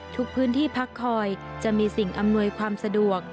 ทุกพื้นที่พักคอยจะมีสิ่งอำนวยความสะดวก